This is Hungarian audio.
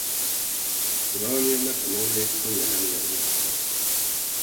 Az aranyérmet a norvég Sonja Henie nyerte.